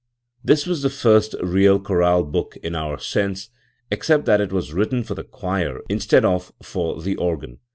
This was the first real chorale book in our sense, except that it was written for the choir instead of for the organ.